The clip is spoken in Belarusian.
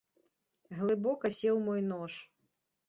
Глыбока сеў мой нож.